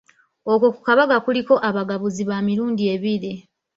Okwo ku kabaga kuliko abagabuzi ba mirundi ebiri.